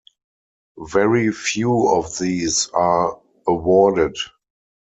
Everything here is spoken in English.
Very few of these are awarded.